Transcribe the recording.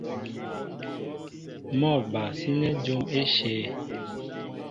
Mɔ́ a ba sínɛ́ jǒm éshe.